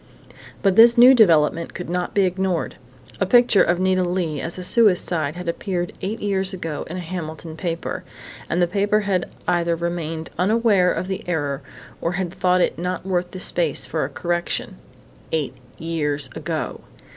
But this new development could not be ignored. A picture of Nita Leigh as a suicide had appeared eight years ago in a Hamilton paper, and the paper had either remained unaware of the error or had thought it not worth the space for a correction.... _Eight years ago!...